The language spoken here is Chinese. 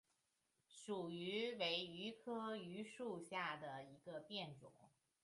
蜀榆为榆科榆属下的一个变种。